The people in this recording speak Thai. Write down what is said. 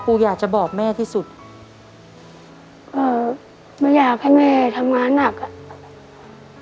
อยากจะบอกแม่ที่สุดเอ่อไม่อยากให้แม่ทำงานหนักอ่ะ